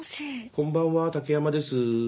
こんばんは竹山です。